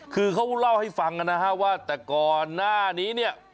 คือเขาเล่าให้ฟังนะฮะว่าแต่ก่อนหน้านี้เนี่ย